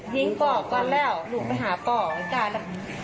ยิงป่อก่อนแล้วลูกไปหาป่อก็ได้แล้ว